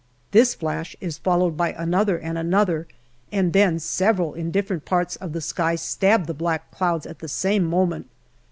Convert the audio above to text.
This flash is followed by another and another, and then several in different parts of the sky stab the black clouds at the same moment.